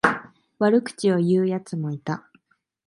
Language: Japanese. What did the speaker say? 悪口を言うやつもいた。